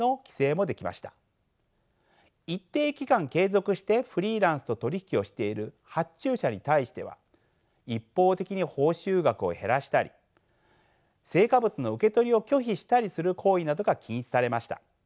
一定期間継続してフリーランスと取り引きをしている発注者に対しては一方的に報酬額を減らしたり成果物の受け取りを拒否したりする行為などが禁止されました。